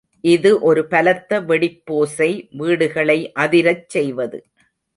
இது ஒரு பலத்த வெடிப்போசை வீடுகளை அதிரச் செய்வது.